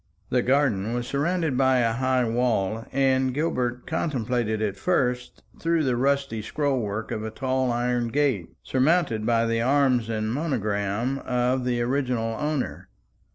The garden was surrounded by a high wall, and Gilbert contemplated it first through the rusty scroll work of a tall iron gate, surmounted by the arms and monogram of the original owner.